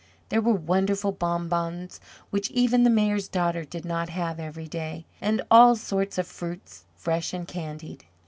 There were wonderful bonbons which even the Mayor's daughter did not have every day; and all sorts of fruits, fresh and candied.